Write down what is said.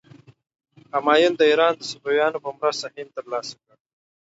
همایون د ایران د صفویانو په مرسته هند تر لاسه کړ.